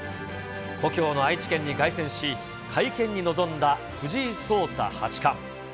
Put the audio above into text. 故郷の愛知県に凱旋し、会見に臨んだ藤井聡太八冠。